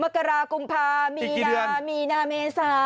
มะกรากุมภามีนามีนาเมสาฮาก